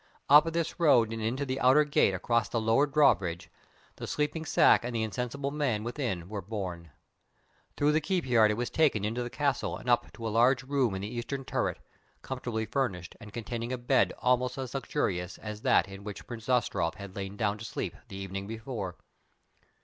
Up this road and into the outer gate across the lowered drawbridge the sleeping sack and the insensible man within were borne. Through the keep yard it was taken into the Castle and up to a large room in the eastern turret, comfortably furnished, and containing a bed almost as luxurious as that in which Prince Zastrow had lain down to sleep the evening before.